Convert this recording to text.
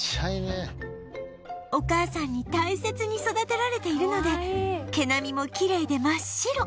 お母さんに大切に育てられているので毛並みもきれいで真っ白